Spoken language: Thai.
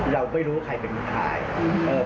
เราไม่รู้ใครเป็นใคร